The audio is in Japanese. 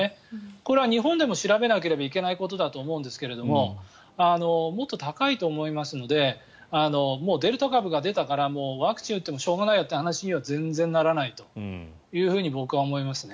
これは日本でも調べなきゃいけないことだと思うんですけどもっと高いと思いますのでもうデルタ株が出たからワクチン打ってもしょうがないよという話には全然ならないと僕は思いますね。